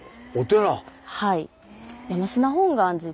はい。